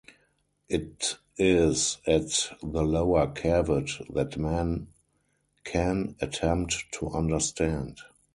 It is at the lower Kavod that man can attempt to understand.